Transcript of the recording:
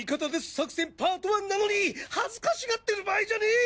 作戦パート１なのに恥ずかしがってる場合じゃねえ！